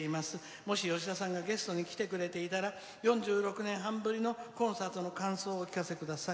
もし吉田さんがゲストに来てくださっていれば４６年半ぶりのコンサートの感想を聞かせてください」。